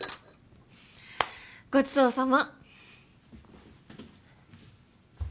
ごちそうさま。